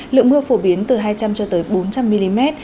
lượng mưa phổ biến từ hai trăm linh cho tới bốn trăm linh mm